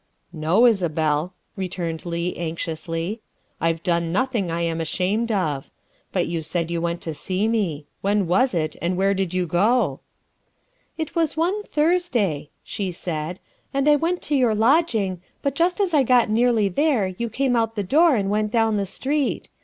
" No, Isabel," returned Leigh anxiously, " I've done nothing I am ashamed of. But you said you went to see me. When was it, and where did you go ?"" It was one Thursday," she said, " and I went to your lodging, but just as I got nearly there you came out the door and went down the street.